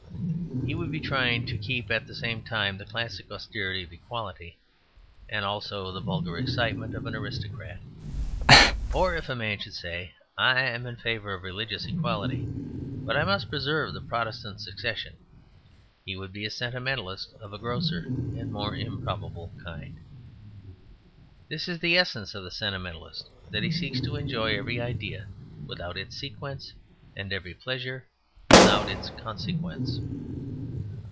He would be trying to keep at the same time the classic austerity of equality and also the vulgar excitement of an aristocrat. Or if a man should say, "I am in favour of religious equality; but I must preserve the Protestant Succession," he would be a Sentimentalist of a grosser and more improbable kind. This is the essence of the Sentimentalist: that he seeks to enjoy every idea without its sequence, and every pleasure without its consequence.